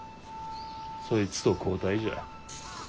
そいつと交代じゃ。